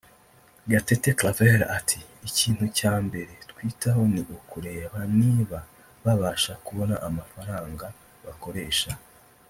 Gatete Claver ati “Ikintu cya mbere twitaho ni ukureba niba babasha kubona amafaranga bakoresha